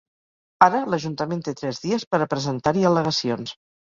Ara l’ajuntament té tres dies per a presentar-hi al·legacions.